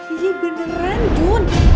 iya beneran jun